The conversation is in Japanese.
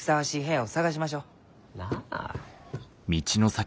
なあ。